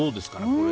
これ。